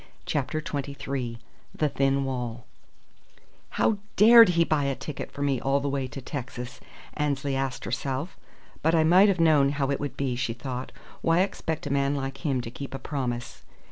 CHAPTER XXIII THE THIN WALL "How dared he buy a ticket for me all the way to Texas!" Annesley asked herself. "But I might have known how it would be," she thought. "Why expect a man like him to keep a promise?"